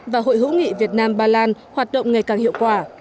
và hội hữu nghị việt nam ba lan hoạt động ngày càng hiệu quả